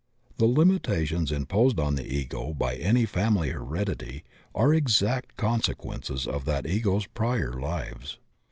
The limitations imposed on the Ego by any family heredity are exact consequences of that Ego's prior lives.